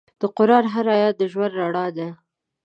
د قرآن هر آیت د ژوند رڼا ده.